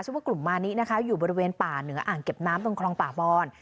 ว่ากลุ่มมานินะคะอยู่บริเวณป่าเหนืออ่างเก็บน้ำตรงคลองป่าบอน